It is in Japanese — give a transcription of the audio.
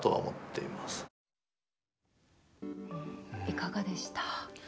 いかがでした？